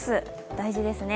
大事ですね。